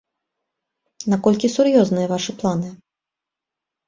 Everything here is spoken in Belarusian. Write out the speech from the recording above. Наколькі сур'ёзныя вашы планы?